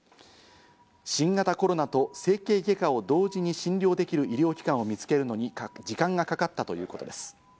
新型コロナと整形外科を同時に診療できる医療機関を見つけるのに時間がかかったということです。